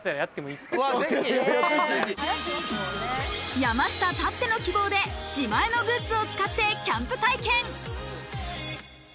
山下たっての希望で自前のグッズを使ってキャンプ体験。